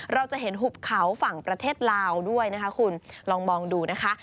เราจะเห็นหุบเขาฝั่งประเทศลาวด้วยนะคะคุณลองมองดูนะคะ